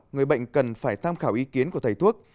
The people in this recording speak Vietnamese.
người bệnh cần phải tham khảo ý kiến của thầy thuốc